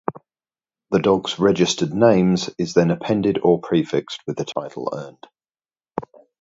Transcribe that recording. The dog's registered names is then appended or prefixed with the title earned.